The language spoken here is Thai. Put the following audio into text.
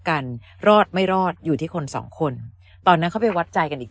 กันรอดไม่รอดอยู่ที่คนสองคนตอนนั้นเขาไปวัดใจกันอีก